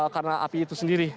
karena api itu sendiri